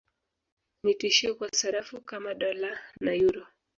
Ni tishio kwa sarafu kama Dola na Euro